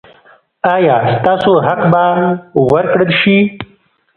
ایا ستاسو حق به ورکړل شي؟